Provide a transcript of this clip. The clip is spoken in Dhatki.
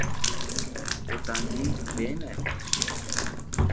اوتانجي ٻين هي.